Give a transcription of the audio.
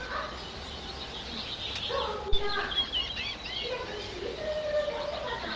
みんなもこうやってスルスルスルッてはいったかな？